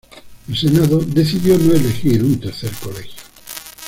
El Senado decidió no elegir un tercer colegio.